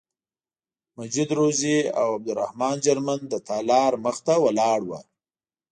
مجید روزي او عبدالرحمن جرمن د تالار مخې ته ولاړ وو.